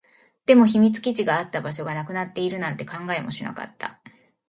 でも、秘密基地があった場所がなくなっているなんて考えもしなかった